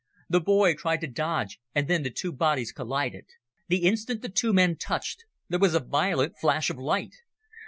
The boy tried to dodge, and then the two bodies collided. The instant the two men touched there was a violent flash of light.